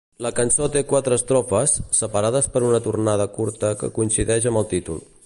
La cançó té quatre estrofes, separades per una tornada curta que coincideix amb el títol.